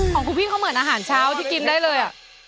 ของคุณพี่เขาเหมือนอาหารเช้าที่กินได้เลย